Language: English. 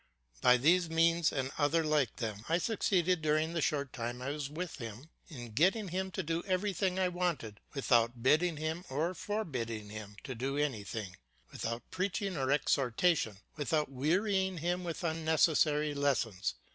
By these means and other like them I succeeded during the short time I was with him in getting him to do everything I wanted without bidding him or forbidding him to do anything, without preaching or exhortation, without wearying him with unnecessary lessons.